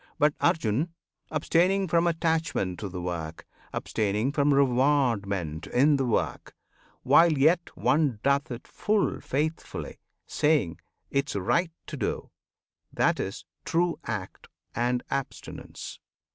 But, Arjun! Abstaining from attachment to the work, Abstaining from rewardment in the work, While yet one doeth it full faithfully, Saying, "Tis right to do!" that is "true " act And abstinence!